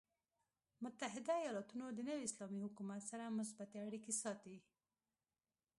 متحده ایالات د نوي اسلامي حکومت سره مثبتې اړیکې ساتي.